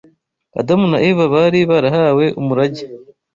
Adamu na Eva bari barahawe umurage